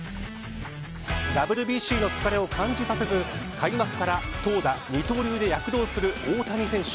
ＷＢＣの疲れを感じさせず開幕から投打二刀流で躍動する大谷選手。